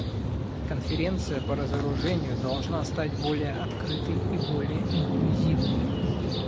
Конференция по разоружению должна стать более открытой и более инклюзивной.